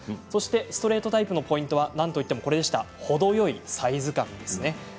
ストレートタイプのポイントはなんといっても程よいサイズ感ですね。